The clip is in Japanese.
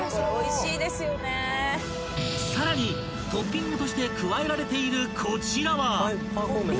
［さらにトッピングとして加えられているこちらは］